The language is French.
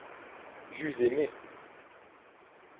J’eus aimé.